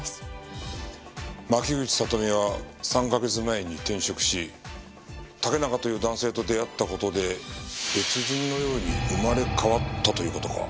牧口里美は３カ月前に転職し竹中という男性と出会った事で別人のように生まれ変わったという事か。